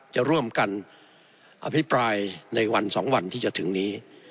จะร่วมกันอภิปรายในวัน๒วันที่จะถึงนี้